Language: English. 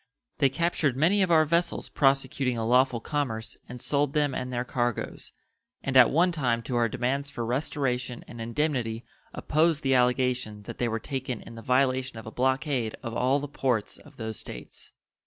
They captured many of our vessels prosecuting a lawful commerce and sold them and their cargoes, and at one time to our demands for restoration and indemnity opposed the allegation that they were taken in the violation of a blockade of all the ports of those States.